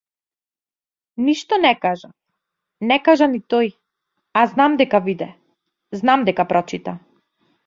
Ништо не кажав, не кажа ни тој, а знам дека виде, знам дека прочита.